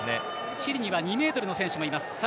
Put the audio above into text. チリには２ｍの選手もいます。